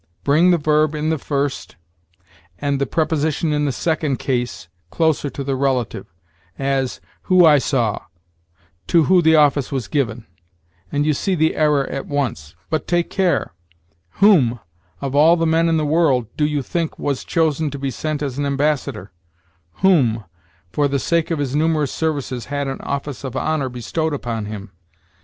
Bring the verb in the first and the preposition in the second case closer to the relative, as, who I saw, to who the office was given, and you see the error at once. But take care! 'Whom, of all the men in the world, do you think, was chosen to be sent as an ambassador?' 'Whom, for the sake of his numerous services, had an office of honor bestowed upon him.'